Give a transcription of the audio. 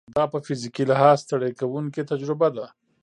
دا په فزیکي لحاظ ستړې کوونکې تجربه ده.